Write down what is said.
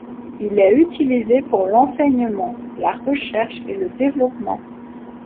Il est utilisé pour l'enseignement, la recherche et le développement.